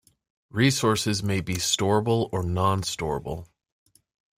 Resources may be storable or non storable.